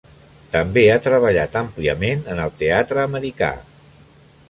També ha treballat àmpliament en el teatre americà.